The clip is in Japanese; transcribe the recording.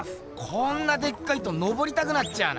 こんなでっかいとのぼりたくなっちゃうな。